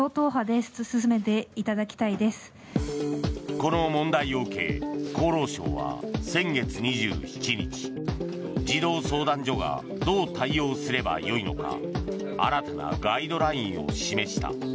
この問題を受け厚労省は先月２７日児童相談所がどう対応すればよいのか新たなガイドラインを示した。